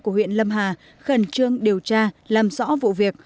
của huyện lâm hà khẩn trương điều tra làm rõ vụ việc